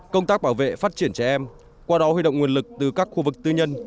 công tác bảo vệ phát triển trẻ em qua đó huy động nguồn lực từ các khu vực tư nhân